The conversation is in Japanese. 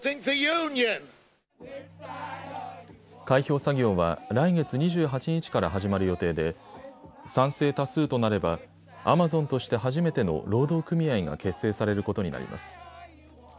開票作業は来月２８日から始まる予定で賛成多数となればアマゾンとして初めての労働組合が結成されることになります。